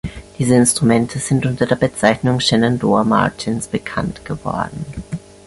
Diese Instrumente sind unter der Bezeichnung "„Shenandoah-Martins“" bekannt geworden.